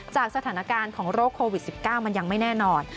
จากสถานการณ์ของโรคโควิด๑๙มันยังไม่แน่นอน